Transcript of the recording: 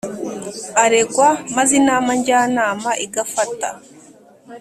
aregwa maze Inama Njyanama igafata